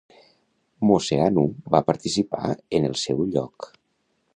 Moceanu va participar en el seu lloc.